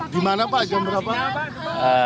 di mana pak jam berapa